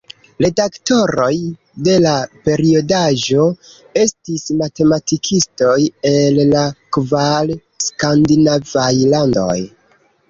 Redaktoroj de la periodaĵo estis matematikistoj el la kvar skandinavaj landoj.